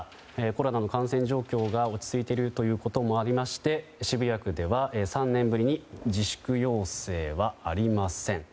コロナの感染状況が落ち着いていることもありまして渋谷区では３年ぶりに自粛要請はありません。